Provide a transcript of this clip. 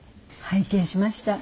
拝見しました。